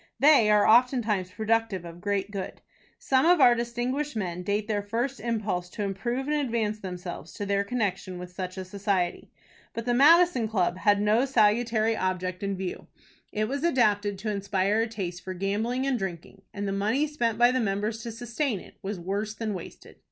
They are oftentimes productive of great good. Some of our distinguished men date their first impulse to improve and advance themselves to their connection with such a society. But the Madison Club had no salutary object in view. It was adapted to inspire a taste for gambling and drinking, and the money spent by the members to sustain it was worse than wasted.